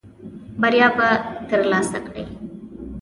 بریا به ترلاسه کړې .